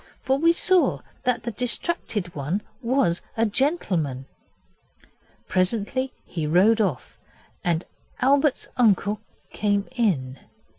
For we saw that the distracted one was a gentleman. Presently he rode off, and Albert's uncle came in.